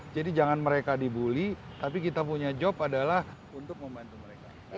jadi jangan mereka dibully tapi kita punya job adalah untuk membantu mereka